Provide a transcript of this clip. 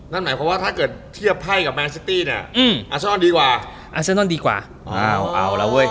นั่นหมายความว่าถ้าเกิดเทียบไพ่กับแมนซิตี้เนี่ยอาซอนดีกว่าอาเซนอนดีกว่าอ้าวเอาละเว้ย